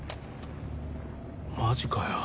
マジかよ。